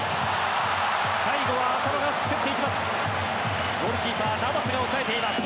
最後は浅野が競っていきます。